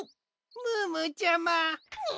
ムームーちゃま！にゅ。